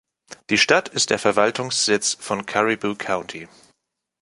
Die Stadt ist der Verwaltungssitz von Caribou County.